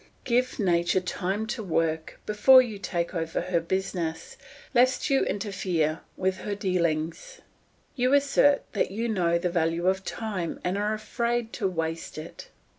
Give nature time to work before you take over her business, lest you interfere with her dealings. You assert that you know the value of time and are afraid to waste it.